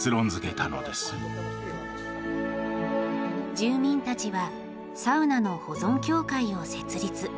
住民たちはサウナの保存協会を設立。